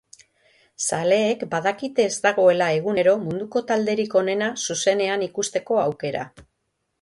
Zaleek badakite ez dagoela egunero munduko talderik onena zuzenean ikusteko aukera.